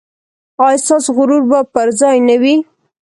ایا ستاسو غرور به پر ځای نه وي؟